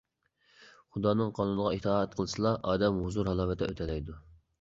خۇدانىڭ قانۇنىغا ئىتائەت قىلسىلا ئادەم ھۇزۇر-ھالاۋەتتە ئۆتەلەيدۇ.